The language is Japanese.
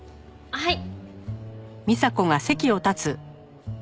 はい。